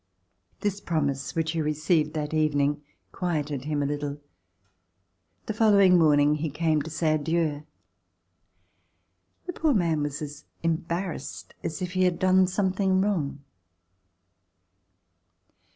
This promise which he received that even ing quieted him a little. The following morning he came to say adieu. The poor man was as embarrassed as if he had done something wrong.